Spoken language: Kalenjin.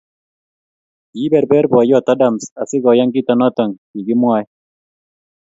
Kiberber boiyot Adams asigoyan kito noto kigimwae.